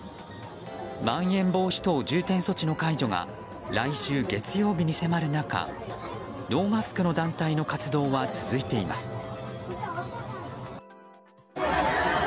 まん延防止等重点措置の解除が来週月曜日に迫る中ノーマスクの団体の活動は続いています。